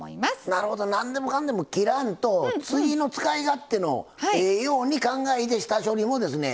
なるほど何でもかんでも切らんと次の使い勝手のええように考えて下処理もですね